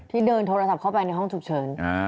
เดินโทรศัพท์เข้าไปในห้องฉุกเฉิน